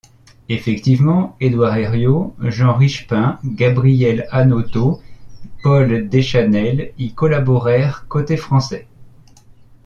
Effectivement Édouard Herriot, Jean Richepin, Gabriel Hanotaux, Paul Deschanel y collaborèrent côté français.